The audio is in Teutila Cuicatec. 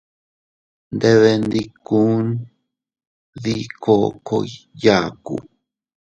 Nndebenndikun dii kookoy yaaku.